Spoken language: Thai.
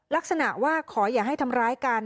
ลักษณะว่าขออย่าให้ทำร้ายกัน